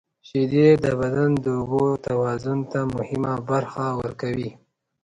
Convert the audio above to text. • شیدې د بدن د اوبو توازن ته مهمه برخه ورکوي.